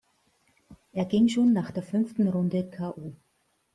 Er ging schon nach der fünften Runde k. o..